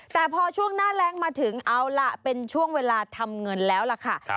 แต่พอช่วงหน้าแรงมาถึงเอาล่ะเป็นช่วงเวลาทำเงินแล้วล่ะค่ะ